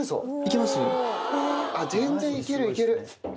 全然いけるいける。